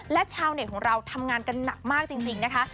และชาวเน็ตของเราทำงานกันหนักมากจริงนะคะ